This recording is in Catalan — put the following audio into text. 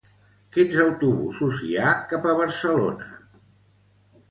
Quins autobusos hi ha cap a Barcelona?